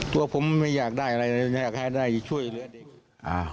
ตัวผมไม่อยากได้อะไรเลยอยากให้ได้ช่วยเหลือเด็กอ่า